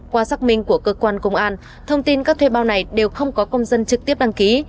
qua xác minh của cơ quan công an thông tin các thuê bao này đều không có công dân trực tiếp đăng ký